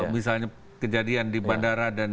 misalnya kejadian di bandara dan